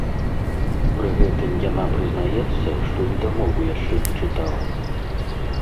Пры гэтым яна прызнаецца, што і дамову яшчэ не чытала.